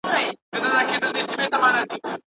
هغه ځان له بدو عادتونو وساتی.